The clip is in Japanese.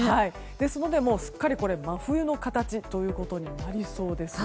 すっかり真冬の形となりそうです。